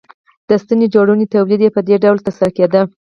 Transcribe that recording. د ستنې جوړونې تولید یې په دې ډول ترسره کېده